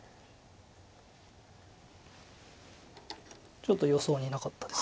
ちょっと予想になかったです。